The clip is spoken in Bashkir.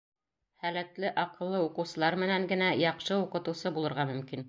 Һәләтле, аҡыллы уҡыусылар менән генә яҡшы уҡытыусы булырға мөмкин.